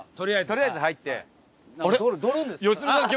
とりあえず入って。